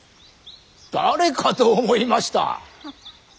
誰かと思いました。